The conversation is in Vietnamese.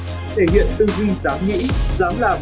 thể hiện tư duy giám nghĩ giám làm